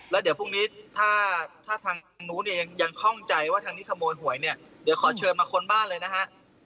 แล้วเดี๋ยวพรุ่งนี้ถ้าทางนู้นเองยังคล่องใจว่าทางนี้ขโมยหวยเนี่ยเดี๋ยวขอเชิญมาค้นบ้านเลยนะฮะ